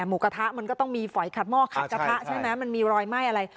หมูกระทะมันก็ต้องมีฝอยขัดหม้อขัดกระทะใช่ไหมมันมีรอยไหม้อะไร